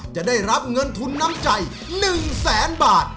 จะได้รับเงินทุนน้ำใจ๑แสนบาท